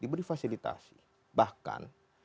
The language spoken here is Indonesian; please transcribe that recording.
diberi fasilitasi bahkan